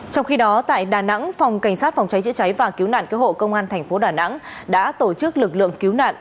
trong khi đó tại đà nẵng phòng cảnh sát phòng cháy chữa cháy và cứu nạn cứu hộ công an thành phố đà nẵng đã tổ chức lực lượng cứu nạn